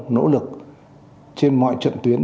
nỗ lực trên mọi trận tuyến